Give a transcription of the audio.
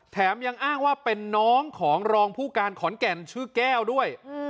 ยังอ้างว่าเป็นน้องของรองผู้การขอนแก่นชื่อแก้วด้วย